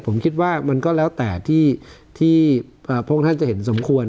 ผมคิดว่ามันก็แล้วแต่ที่พระองค์ท่านจะเห็นสมควร